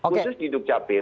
khusus di duk capil